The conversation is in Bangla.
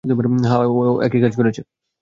হ্যাঁ, ও এইকাজ করেছে।